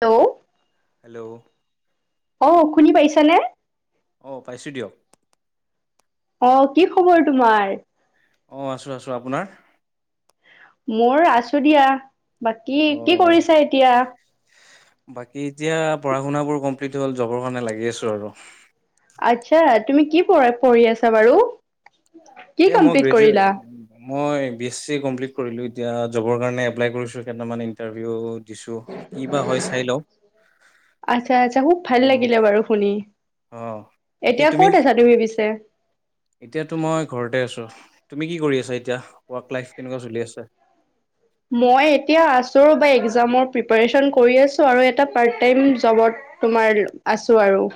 Hello hello অ শুনি পাইছ নে অ পাইছো দিয়ক অ কি খবৰ তোমাৰ অ আছো আছো আপোনাৰ মোৰ আছো দিয়া বাকী কি অ' কৰিছা এতিয়া বাকী এতিয়া পঢ়া শুনাবোৰ কমপ্লিট হ'ল জবৰ কাৰণে লাগি আছো আৰু আচ্ছা তুমি কি পঢ়া পঢ়ি আছা বাৰু কি এয়া মই কমপ্লিট গ্ৰেজুৱে কৰিলা মই বি এছ চি কমপ্লিট কৰিলোঁ এতিয়া জবৰ কাৰণে এপ্লাই কৰিছোঁ কেইটামান ইণ্টাৰভিউত আচ্ছা আচ্ছা খুব ভাল লাগিলে বাৰু শুনি অঁ বাকী এতিয়া তুমি ক'ত আছা পিছে এতিয়াতো মই ঘৰতে আছোঁ তুমি কি কৰি আছা এতিয়া ৱৰ্ক লাইফ কেনেকুৱা চলি আছে মই এতিয়া আছোঁ ৰবা একজামৰ প্ৰিপেছন কৰি আছোঁ আৰু এটা পাৰ্ট টাইম জবত তোমাৰ আছো আৰু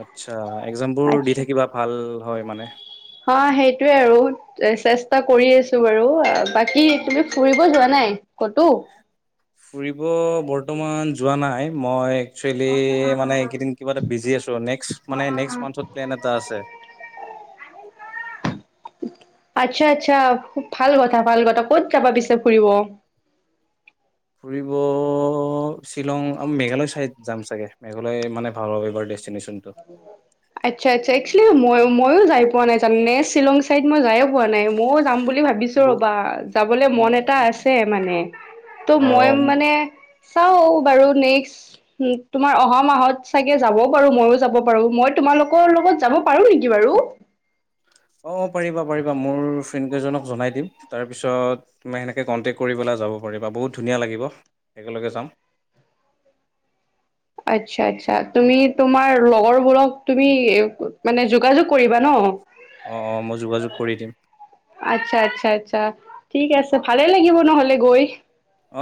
আচ্ছা একজাম বোৰ দি আচ্ছা থাকিবা ভাল হয় মানে অ সেইটোৱে আৰু এ চেষ্টা কৰি আছো বাৰু বাকী তুমি ফুৰিব যোৱা নাই কতো ফুৰিব বৰ্তমান যোৱা নাই মই একসোলি মানে এইকেইদিন কিবা এটা বিজি আছো নেক্স মানে নেক্সট মান্থত প্লেন এটা আছে আচ্ছা আচ্ছা খুব ভাল কথা ভাল কথা ক'ত যাবা পিছে ফুৰিব ফুৰিব শ্বিলং আৰু মেঘালয় ছাইড যাম চাগে মেঘালয় মানে ভাল' এইবাৰ ডেষ্টিনেশ্যন আচ্ছা আচ্ছা একচলি মই ময়ো যাই পোৱা নাই জানো নে শ্বিলং চাইড মই যায় পোৱা নাই ময়ও যাম বুলি ভাবিছো বহুত ৰ'বা যাবলৈ মন এটা আছে মানে ত' অ মই মানে চাও বাৰু নেক্সট উ তোমাৰ অহা মাহত চাগে যাব পাৰো মইো যাব পাৰো মই তোমালোকৰ লগত যাব পাৰো নেকি বাৰু অঁ পাৰিবা পাৰিবা মোৰ ফ্ৰেণ্ডকেইজনক জনাই দিম তাৰপিছত তমই সেনেকৈ কণ্টেক্ট কৰি পেলাই যাব পাৰিবা বহুত ধুনীয়া লাগিব একেলগে যাম আচ্ছা আচ্ছা তুমি তোমাৰ লগৰবোৰক তুমি মানে যোগাযোগ কৰিবা ন অ অ মই যোগাযোগ কৰি দিম আচ্ছা আচ্ছা আচ্ছা ঠিক আছে ভালে লাগিব নহলে গৈ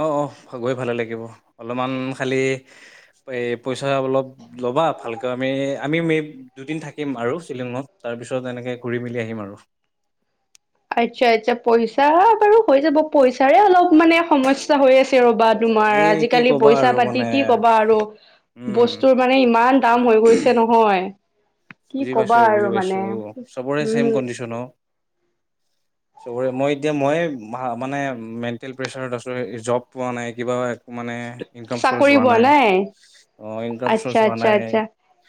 অঁ অঁ গৈ ভালে লাগিব অলপমান খালী এই পইচা অলপ ল'বা ভালকৈ আমি আমি এই দুদিন থাকিম আৰু শ্বিলিঙত তাৰপিছত এনেকৈ ঘূৰি মেলি আহিম আৰু আচ্ছা আচ্ছা পইচা বাৰু হৈ যাব পইচাৰে অলপ মানে সমস্যা হৈ আছে আৰু তুমাৰ এই কি আজিকালি ক'বা পইচা আৰু পাতি মানে কি ক'বা আৰু উম বস্তুৰ মানে ইমান কাম হৈ গৈছে নহয় কি বুজি পাইছো ক'বা আৰু বুজি মানে পাইছো চবৰে চম উম কণ্ডিচন অ চবৰে মই এতিয়া মই মানে মেণ্টেল প্ৰেচাৰত আছো জব পোৱা নাই কিবা মানে ইনকাম চৰ্চ চাকৰি হোৱা পোৱা নাই অ ইনকাম আচ্ছা চ'ৰ্চ হোৱা আচ্ছা নাই আচ্ছা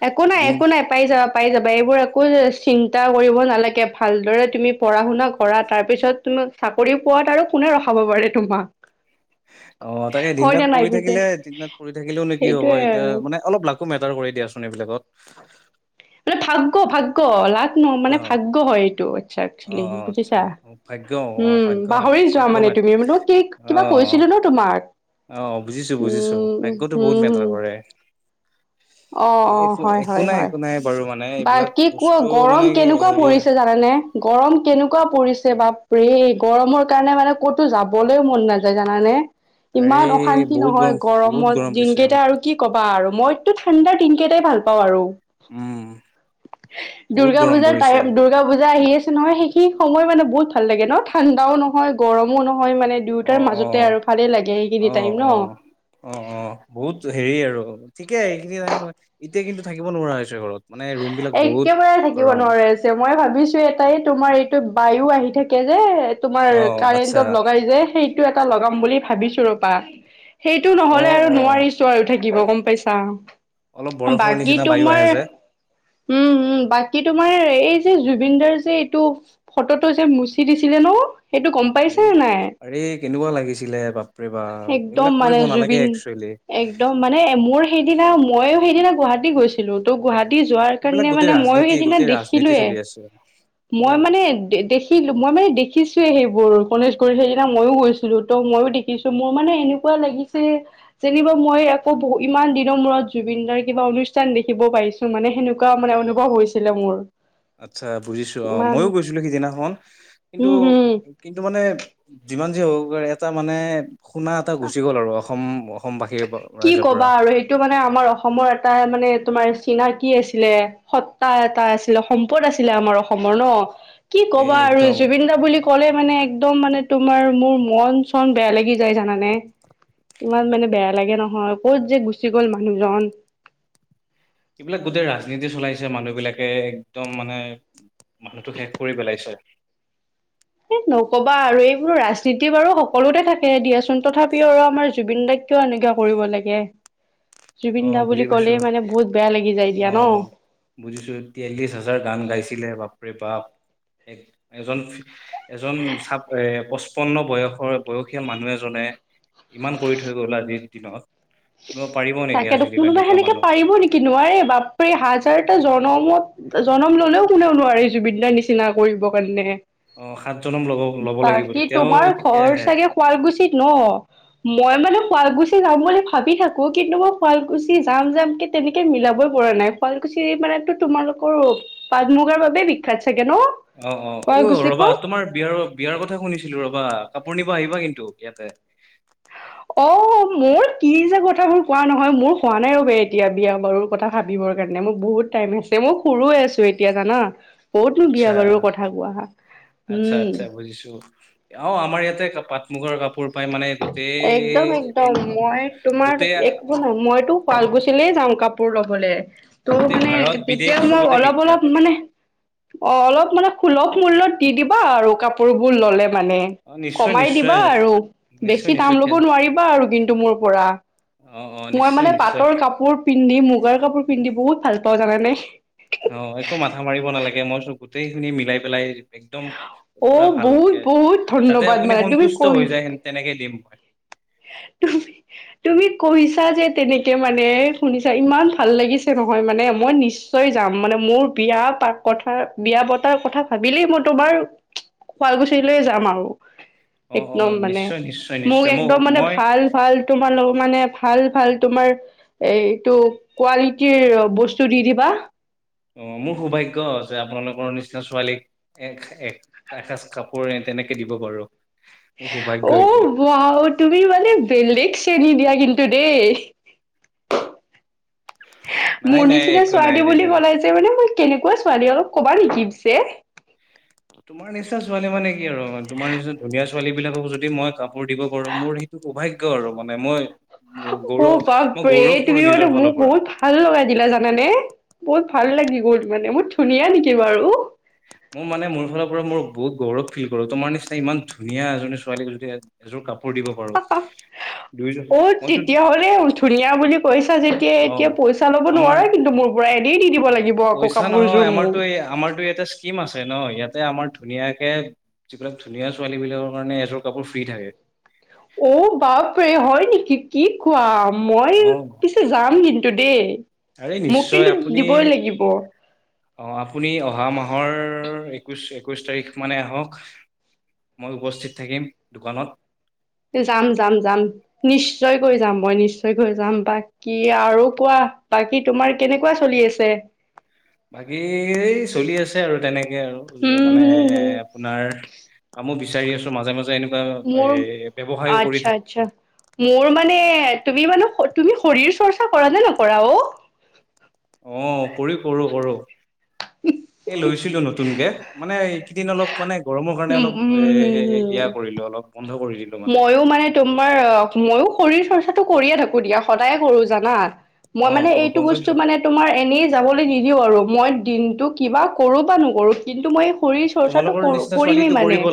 একো নাই দিন একো নাই পাই যাবা পাই যাবা এইবোৰ একো চিন্তা কৰিব নালাগে ভালদৰে তুমি পঢ়া শুনা কৰা তাৰ পিছত তুমি চাকৰি পোৱাত আৰু কোনে ৰখাব পাৰে তোমাক অ তাকে দিন হয় নে দাত নাই পৰি পিছে থাকিলে দিনাত পৰি থাকিলেও নে কি হব সেইটোয়ে এতিয়া আৰু মানে অলপ লাকো মেটাৰ কৰি দিয়া চোনন এইবিলাকত মানে ভাগ্য ভাগ্য লাখ ন মানে অ ভাগ্য হয় এইটো আচ্ছা অ', একেল আচ্ছা বুজিছা অ', ভাগ্য অ', উম ভাগ্য অ', পাহৰি যোৱা ভাগ্য মানে মে তুমি কি কিবা অ', কৈছিলো ন তোমাক অ', বুজিছো বুজিছো উম ভাগ্যটো বহুত হম হ মেটাৰ কৰে। অ এ অ একো হয় একো হয় নাই হয় একো নাই বাৰু মানে এইবিলাক বস্তু মানে ৰম কেনেকুৱা হেৰি পৰিছে জানানে গৰম কেনেকুৱা পৰিছে বাপ ৰে গৰমৰ কাৰণে মানে ক'তো যাবলৈও মন নাযায় জানানে আৰে ইমান অশান্তি বহুত গৰম নহয় বহুত গৰমত গৰম পৰিছে দিনকেইটা আৰু কি কবা আৰু মইতো ঠাণ্ডাৰ দিনকেইটাই ভাল পাওঁ আৰু উম। বহুত দুৰ্গা গৰম পূজাৰ পৰিছে টাইম দুৰ্গা পূজা আহি আছে নহয় সেইখিনি সময় মানে বহুত ভাল লাগে ন ঠাণ্ডাও নহয় গৰমো নহয় মানে অ দুয়োটাৰ অ মাজতে আৰু ভালেই লাগে সেইখিনি অ টাইম ন অ অ অ বহুত হেৰি আৰু ঠিকেই এইখিনি নাই মই এতিয়া কিন্তু থাকিব নোৱাৰা ঘৰত মানে ৰুম বিলাক বহুত একেবাৰে থাকিব গৰম নোৱাৰি আছে মই ভাবিছো এটাই তোমাৰ এইটো বায়ু আহি থাকে যে তোমাৰ অ', আচ্ছা কাৰেণ্টত লগাই যে সেই টো এটা লগাম বুলি ভাবিছো ৰপা সেইটো নহ'লে অ', আৰু অ', নোৱাৰিছো আৰু থাক াগিব গম পাইছা অলপ বৰফৰ বাকী নিচিনা বায়ু তোমাৰ আহে যে উম উম বাকী তোমাৰ এই যে জুবিনদাৰ যে এইটো ফটোটো যে মুচি দিছিলে ন সেইটো গম পাইছে এই নাই? আৰে কেনেকুৱা লাগিছিলে বাপৰে বাপ একদম এইবিলাক মানে কৰিব নালাগে জুবিন একচুৱেলি একদম মানে মোৰ সেইদিনা মইয়ো সেইদিনা গুৱাহাটী গৈছিলো তো গুৱাহাটী যোৱাৰ এইবিলাক কাৰণে গোটেই মানে মইয়ো ৰাজনীতি সেইদিনা গোটেই ৰাজনীতি চলি দেখিলোয়ে। আছে মই এইবিলাক মানে দেখিলো মই মানে দেখিছোৱয়ে সেইবোৰ। গণেশগুৰি সেইদিনা মইো গৈছিলো ত' মইো দেখিছো মোৰ মানে এনেকুৱা লাগিছে যেনিবা মই আকৌ বহু ইমান দিনৰ মূৰত জুবিন দাৰ কিবা অনুষ্ঠান দেখিব পাইিছো মানে সেনেকুৱা মানে অনুভৱ হৈছিলে মোৰ আচ্ছা! বুজিছো অ ইমান মইো গৈছিলো সিদিনাখন কিন্তু হম হম কিন্তু মানে যিমান যি হ'ব এটা। মানে শুনা এটা গুচি গ'ল আৰু অ' অসম অসমবাসীৰ কি ৰাইজৰ পৰা কবা আৰু সেইটো মানে আমাৰ অসমৰ এটা মানে তোমাৰ। চিনাকি আছিলে সত্তা এটা আছিলে সম্পদ আছিলে আমাৰ অসমৰ ন কি এই ক'বা আৰু একদম জুবিন দা বুলি ক কলে মানে একদম মানে তোমাৰ মোৰ মন চন বেয়া লাগি যায় জানানে ইমান মানে বেয়া। লাগে নহয় ক'ত যে গুচি গ'ল মানুহজন। এইবিলাক গোটেই ৰাজনীতি চলাইছে মানুহবিলাকে একদম মানে মানুহটো শেষ কৰি পেলাইছে। এ নকবা আৰু এইবোৰ ৰাজনীতি বাৰু সকলোতে থাকে দিয়াচ তথাপিও আৰু আমাৰ জুবিন দাক কিয় এনেকুৱা কৰিব লাগে। অ জুবিন দা বুজি বুলি পাইছো ক'লে মানে বহুত বেয়া লাগি যায় অ দিয়া অ ন বুজিছো তিয়াল্লিশ হাজাৰ গান গাইছিলে বাপ এ এজন পচপন্ন বয়ৰ বয়সীয়া মানুহ এজনে ইমান কৰি থৈ গল আজিৰ দিনত। পাৰিব নেকি তাকেতো আজিৰ দিনত কোনোবা এনেকুৱা সেনেকে মানুহ পাৰিব নেকি নোৱাৰে বাপ হাজাৰটা জ্ব জনমত জনম ললেও কোনেও নোৱাৰি জুবিন দাৰ নিচিনা কৰিবৰ কাৰণে অ সাত জনম ল'ব ল'ব লাগিব বাকী তেতিয়াও তোমাৰ ঘৰ তেতিয়াহে চাগে শুৱাল গুছি ন মই মানে শুৱালকুছি যাম বুলি ভাবি থাকো কিন্তু মই শুৱালকুছি যাম যাম কি তেনেকে মিলাবই পৰা নাই শুৱালকুছি মানেো তোমালোকৰ পাট মুগাৰ বাবে বিখ্য্াত। অ অ অ ৰবা তোমাৰ বিয়াৰ, বিয়াৰ কথা শুনিছিলো ৰবা কাপোৰ নিব আহিবা কিন্তু ইয়াতে, অ' মোৰ কি যে কথাবোৰ কোৱা নহয় মোৰ হোৱা নাই ৰব এতিয়া বিয়া বাৰুৰ কথা ভাবিবৰ কাৰণে মোৰ বহুত টাইম আছে মই সৰু আছো এতিয়া জানা ক'তনো আচ্ছা বিয়া বাৰুৰ কথা কোৱা আচ্ছা উম আচ্ছা বুজিছো অ আমাৰ ইয়াতে প মুগৰ কাপোৰ পাই মানে। গোটেই একদম একদম তোমাৰ মই তোমাৰ গোটেই একো নাই মইতো শুৱাল গুছিলেই যাম কাপোৰ ল'বলৈ তৌ গোটেই মানে ভাৰত বিদেশ তেতিয়া ধোম চবতে অলপ অলপ বিখ্যাত মানে অ অলপ মানে সুলভ মূল্য়ত। দি দিবা আৰু কাপোৰ। কাপোৰ ললে মানে অ নিশ্চয় কমাই নিশ্চয় দিবা আৰু বেছি নিশ্চয় কি দাম ল'ব নিশ্চয় নোৱাৰিবা আৰু কিন্তু মোৰ পৰা অ অ মই নিশ্চয় মানে নিশ্চয় পাটৰ কাপোৰ পিন্ধি মুগাৰ কাপোৰ পিন্ধি বহুত ভাল পাওঁ জানানে অ একো মাথা মাৰিব নালাগে মইচব গোটেইখিনি মিলাই পেলাই একদম পুৰা অ' বহুত ভালকে বহুত যাতে ধন্যবাদ আপুনি মানে তুমি সন্তুষ্ট কৈ হৈ যায় তেনেকে দিম। তুমি কৈছা যে তেনেকে মানে শুনিছা ইমান ভাল লাগিছে নহয় মানে মই নিশ্চয় যাম মানে মোৰ বিয়া প কথা বিয়া বতাৰ কথা ভাবিলেই মই তোমাৰ শুৱালকুছিলৈৈ যাম আৰু অ অ একদম মানে নিশ্চয় নিশ্চয় মোক নিশ্চয় মই একদম মানে মই ভাল ভাল তোমাৰে অলপ মানে ভাল ভাল তোমাৰ এইটো কোৱালিটিৰ বস্তু দি দিবা অ মোৰ সৌভাগ্য যে আপোনালোকৰ নিচিনা ছোৱালীক এ এসাঁজ কাপোৰ তেনেকে দিব পাৰো। মোৰ সৌভাগ্য অ এইটো বাও তুমি মানে বেলেগ চেণী দিয়া কিন্তু দেই নাই মোৰ নাই নিচিনা একো নাই ছোৱালী বুলি তেনেকুৱা কলাইছে মানে মই কেনেকুৱা ছোৱালী ও অলপ কবা নেকি পিছে তোমাৰ নিচিনা ছোৱালী মানে কি আৰু তোমাৰ নিচিনা ধুনীয়া ছোৱালী বিলাকক যদি মই কাপোৰ দিব পাৰো মোৰ সেইটো সৌভাগ্য আৰু মানে মই অ গৌৰৱ মই বাপৰে গৌৰৱ কৰো তুমি নিজৰ মানে ফালৰ মোক পৰা বহুত ভাল লগাই দিলা জানানে বহুত ভাল ভাল লাগি গ'ল মানে মোৰ ধুনীয়া নেকি বাৰু মোৰ মানে মোৰ ফালৰ পৰা মই বহুত গৌৰৱ ফিলল কৰো তোমাৰ নিচিনা ইমান ধুনীয়া এজনী ছোৱালী যদি এযোৰ কাপোৰ দিব পাৰো দুইযোৰ অ মইতো তেতিয়া হ'লে ধুনীয়া বুলি কৈছা যেতিয়া এয়া অ এতিয়া পইচা ল'ব আমাৰ নোৱাৰা কিন্তু মোৰ পৰা এনেই দি দিব লাগিব আকৌ পইচা নহয় কাপোৰযোৰ মোৰ আমাৰতো এই আমাৰতো এটা স্কিম আছে ন ইয়াতে আমাৰ ধুনীয়াকে যিবিলাক ধুনীয়া ছোৱালী বিলাকৰ কাৰণে এযোৰ কাপোৰ ফ্ৰী থাকে। অ বাপ প্ৰে হয় নেকি কি কোৱা মই অ পিছে যাম কিন্তু টুডে আৰে নিশ্চয় আপুনি অ আপুনি অহা মাহ মাহৰ একৈছ একৈছ তাৰিখ মানে আহক মই উপস্থিত থাকিম দোকানত। যাম যাম যাম নিশ্চয়কৈ গৈ যাম মই নিশ্চয়কৈ যাম বাকী আৰু কোৱা বাকী তোমাৰ কেনেকুৱা চলি আছে। বাকী চলি আছে আৰু তেনেকে আৰু হম মানে হম হম আপোনাৰ আম চাৰিছ মাজে মাজেনে মোৰ আচ্ছা আচ্ছা মোৰ মানে তুমি মানে তুমি শৰীৰ চৰ্চা কৰা নে নকৰা অ অ কৰি কৰো কৰো এ লৈছিলো নতুনকে মানে এইকেইদিন অলপ মানে গৰমৰ কাৰণে অলপ এয়া কৰিলোঁ অলপ বন্ধ কৰি দিলো মইো মানে তোমাৰ অ ময়ো শৰীৰ চৰ্চা। কাতটো কৰিয়ে থাকো দিয়া সদায়ে কৰো জানাত অ মই মানে গ- এইটো গম বস্তু পাইছো মানে তোমাৰ এনেই যাবলৈ নিদিওঁ আৰু মই দিনটো কিবা কৰোঁ বা নকৰোঁ। কিন্তু মই শৰীৰ চৰ্চাটোো তোমালোকৰ নিচিনা কৰিমেই ছোৱালীটো মানে কৰিব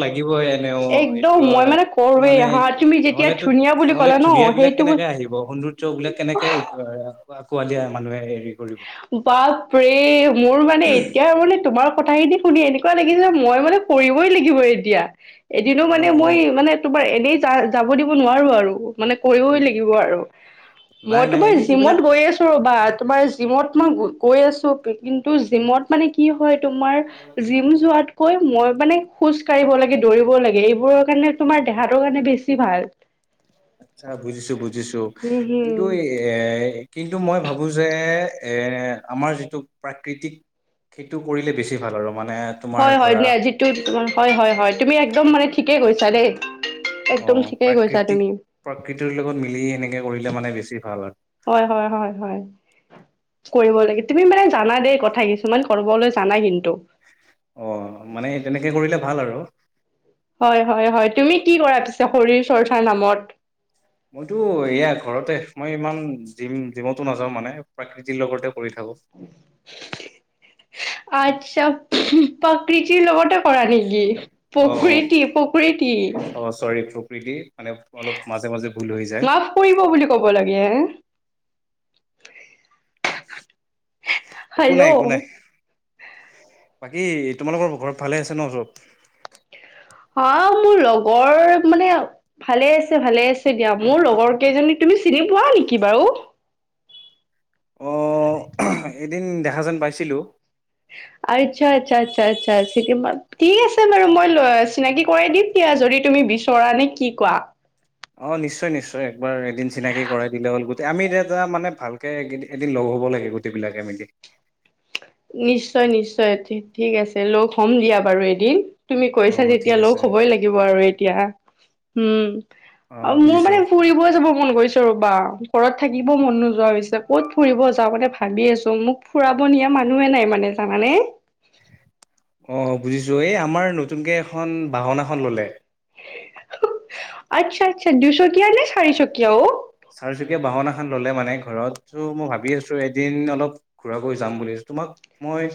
একদম মই মানে তটো কৰোৱেই মানে হা তুমি যেতিয়া নহলেতো ধুনীয়া বুলি নহলে ক'লা ন ধুনীয়া বিলাক সেইটো কেনেকে বস্তু আহিব সৌন্দ্যবলাক কেনেকে। আকোৱালিয়া মানুহে কৰিব বাপৰে মোৰ মানে এতিয়া মানে তোমাৰ কথাখিনি শুনি এনেকুৱা লাগিছিল মই মানে কৰিবই লাগিবই এতিয়া, এদিনো অ মানে মই মানে তোমাৰ এনেই য যাব দিব নোৱাৰো আৰু মানে অ কৰিবই লাগিব আৰু নাই মই নাই তোমাৰ এনেই জিমত এইবিলাক গৈ আছো ৰ'বাত, তোম জিমত মই গৈ আছো কিন্তু জিমত মানে কি হয়। তোমাৰ জিম যোৱাত কৈ মই মানে খোজ কঢ়িব লাগে দৌৰিব লাগে এইবোৰৰ কাৰণে তোমাৰ দেহাটোৰ কাৰণে বেছি ভাল। আচ্ছা বুজিছো বুজিছো উম কিন্তু হুম এই এ কিন্তু মই ভাবোঁ যে আমাৰ যিটো প্ৰাকৃতিক সেইটো কৰিলে বেছি ভাল আৰু মানে তোমাৰ হয় হয় ধৰা দিয় যিটো হয় হয় হয় তুমি একদম মানে ঠিকে কৈছা দেই। [inaudible] অ একদম ঠিকেই কৈছা প্ৰাকৃতিক তুমি প্ৰাকৃতিৰ লগত মিলি এনেকে, কৰিলে মানে বেছি ভাল হয়। হয় হয় হয় হয় কৰিব লাগে তুমি মানে জানা দেই কথা কিছুমান কৰিবলৈ জানা কিন্তু অ মানে তেনেকে কৰিলে ভাল আৰু [inaudible] হয় হয় হয় তুমি কি কৰা পিছা শৰীৰ চৰ্চাৰ নামত মইতো এয়া ঘৰতে মই ইমান জিম জিমতো নাযাও মানে প্ৰাকৃতিৰ লগতে কৰি থাকোঁ। আচ্ছা পকৰি চি লবতে কৰা নেকি অ পুখুৰী তি পুখুৰী তি প্ৰতি মাফ কৰিব বুলি ক'ব লাগে হে একো নাই একো নাই হেল্ল' ব ব কি তোমালোকৰ ঘৰত ভালে আছে ন চব অ মোৰ লগৰ মানে ভালে আছে ভালে আছে দিয়া মোৰ লগৰ কেইজনী তুমি চিনি পোৱা নেকি বাৰু অ এদিন দেখা যেন পাইছিলো। আচ্ছা আচ্ছা আচ্ছা আচ্ছা [unintelligible] ঠিক আছে বাৰু মই চিনাকি কৰাই দিম দিয়া যদি তুমি বিচৰা নে কি কোৱা। অ নিশ্চয় নিশ্চয় একবাৰ এদিন চিনাকি কৰাই দিলে হ'ল গুটেই আমি এতিয়াটা মানে ভালকে এদিন লগ হব লাগে গুট বিলাকে মিলি নিশ্চয় নিশ্চয় ঠিক আছে লগ হ'ম দিয়া বাৰু এদিন, তুমি কৈছা অ' ঠিক যেতিয়া লগ আছে হবই লাগিব আৰু এতিয়া উম! অ মোৰ মানে ফুৰিবই যাব মন গৈছে ৰ'বা ঘৰত থাকিব মন নোযোৱা হৈছে ক'ত ফুৰিব যাওঁ মানে ভাবি আছো মোক ফুৰাব নিয়া মানুহে নাই মানে জানানে অঁ বুজিছোঁ এই আমাৰ নতুনকৈ এখন বাহন এখন ল'লে আচ্ছা আচ্ছা দুশো [inaudible] [inaudible] চকীয়া নে চাৰি চকীয়া ও চাৰিচকীয়া বাহন এখন ললে মানে ঘৰত মই ভাবি আছো এদিন অলপ ঘুৰা কৰি যাম বুলিছো তোমাক মই,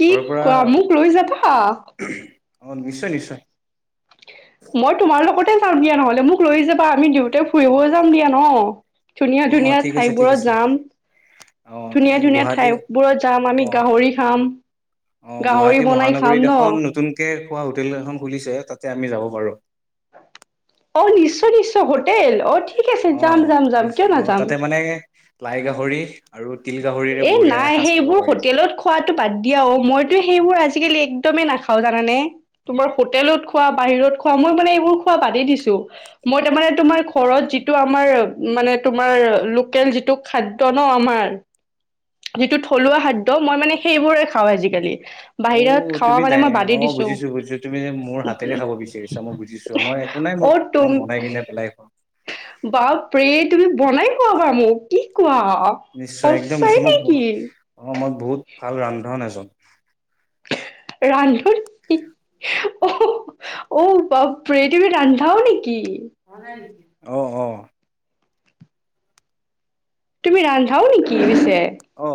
কি ঘৰৰ পৰা কোৱা মোক লৈ যাবা। অ নিশ্চয় নিশ্চয় মই [inaudible] নহলে মোক লৈ যাবা আমি [inaudible] [inaudible] ফুৰিব অ' যাম দিয়া ন ধুনীয়া অ' ধুনীয়া ঠিক আছে ঠিক ঠাইবোৰত আছে যাম অ' ধুনীয়া ধুনীয়া গুৱাহাটী ঠাইবোৰত যাম আমি অ' গাহৰি খাম অ গাহৰি গুৱাহাটী বনাই মহানগৰীত খাম ন এখন [inaudible] হোটেল এখন খুলিছে তাতে আমি যাব পাৰোঁ অ নিশ্চয় নিশ্চয় হোটেল অ ঠিক [inaudible] অ যাম যাম নি যাম কিয় অ তাতে নাযাম মানে লাই গাহৰি আৰু তিল গাহৰিৰে এ বঢ়িয়া নাই এসাঁজ খাব সেইবোৰ পাৰি হোটেলত খোৱাতটো বাদ দিয়া অ মইতো সেইবোৰ আজি [inaudible] একদমে নাখাও জানানে তোমাৰ হোটেলত খোৱা বাহিৰত খোৱা মই মানে এইবোৰ খোৱা বাদেই দিছো মই তাৰমানে তোমাৰ ঘৰত যিটো আমাৰ মানে তোমাৰ লোকেল যিটো খাদ্য ন আমাৰ। যিটো থলুৱা খাদ্য মই মানে সেইবোৰে খাওঁ আজিকালি অ বাহিৰত খাৱা তুমি মানে মই অ বাদেই দিছো বুজিছো বুজিছো তুমি মোৰ হাতেৰে খাব বিচাৰিছা মই বুজিছো মই একো নাই অ মোক মই তুম বনাই কিনে পেলাই খুৱাম। বাপৰে তুমি বনাই খোৱাবা মোক কি কোৱা। নিশ্চয় একদম সঁচাই নিশ্চয় মই নেকি অ মই বহুত ভাল ৰান্ধন এজন ৰন্ধন অঔ বাপৰে তুমি ৰান্ধাও নেকি? অ অ! তুমি ৰান্ধাও নেকি পিছে? অ!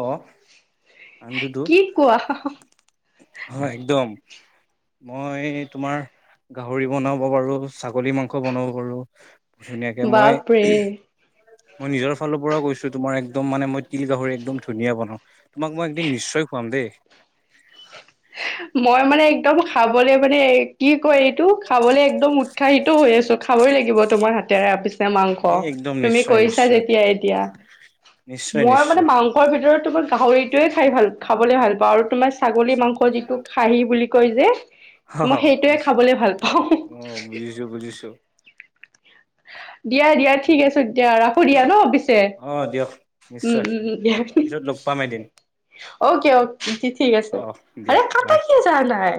কি কোৱা [inaudible] হয় একদম মই তোমাৰ গাহৰি বনাব পাৰো, ছাগলী মাংস বনাব পাৰো। ধুনীয়াকে মই বাপৰে মই নিজৰ ফালৰ পৰাও কৈছো তোমাৰ একদম মানে মই তিল গাহৰি একদম ধুনীয়া বনাওঁ। তোমাক মই একদিন নিশ্চয় খোৱাম দেই। মই মানে একদম খাবলে মানে, কি কয় এইটো খাবলে একদম উৎসাহিত হৈ আছো। খাবই লাগিব তোমাৰ হাতেৰে আপিছ। এ মাংস, এই একদম তুমি নিশ্চয় কইছা নিশ্চয় যেতিয়া এতিয়া, নিশ্চয় মই মানে নিশ্চয় মাংসৰ ভিতৰত তোমাৰ গাহৰিটোৱে খাই ভাল, খাবলৈ ভাল পাওঁ আৰু তোমাৰ ছাগলী মাংস স যিটোক খাহি বুলি কয় যে। অ মই সেইটোয়ে খাবলে ভাল পাওঁ। অ বুজিছো বুজিছো। দিয়া, দিয়া ঠিক আছে দিয়া ৰাখো দিয়া ন পিছে। অ' দিয়ক দিয়া। উ, নিশ্চয় উ, উ দিয়া, পিছত লগ পাম এদিন অ'কে অক কে ঠিক আছে। অ দিয়া আৰে বাই। কাটা কিয়া জোৱা নাই?